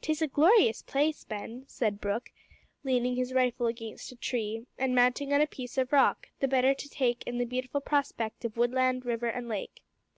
"'Tis a glorious place, Ben," said Brooke, leaning his rifle against a tree and mounting on a piece of rock, the better to take in the beautiful prospect of woodland, river, and lake.